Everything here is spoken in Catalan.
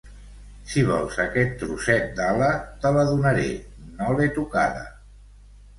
Si vols aquest troçet d'ala, te la donaré. No l'he tocada.